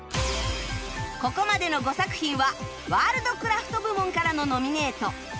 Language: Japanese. ここまでの５作品はワールドクラフト部門からのノミネート